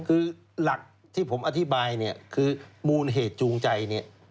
คือหลักที่ผมอธิบายเนี่ยคือมูลเหตุจูงใจเนี่ย